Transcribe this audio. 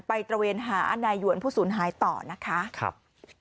ตระเวนหานายหวนผู้สูญหายต่อนะคะครับ